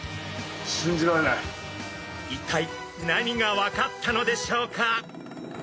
一体何が分かったのでしょうか？